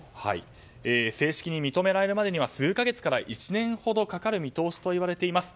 正式に認められるまでには数か月から１年ほどかかるといわれています。